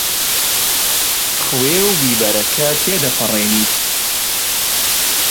خوێ و بیبەرەکە تێدەپەڕێنیت؟